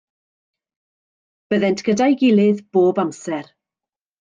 Byddent gyda'i gilydd bob amser.